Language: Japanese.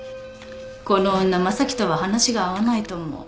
この女正樹とは話が合わないと思う。